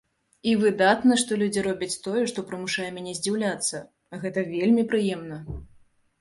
І выдатна, што людзі робяць тое, што прымушае мяне здзіўляцца, гэта вельмі прыемна.